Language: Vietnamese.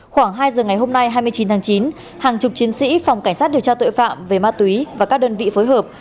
khoảng hai giờ ngày hôm nay hai mươi chín tháng chín hàng chục chiến sĩ phòng cảnh sát điều tra tội phạm về ma túy và các đơn vị phối hợp